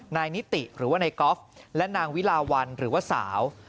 นายนิติหรือว่านายกอล์ฟและนางวิลาวันหรือว่าสาว